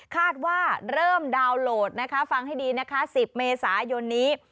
คาดว่าเริ่มดาวน์โหลดนะคะฟังให้ดีนะคะ๑๐เมษายนนี้